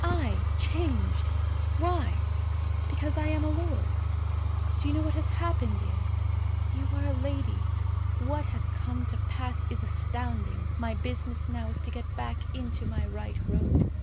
I changed! Why? Because I am a lord. Do you know what has happened, Dea? You are a lady. What has come to pass is astounding. My business now is to get back into my right road.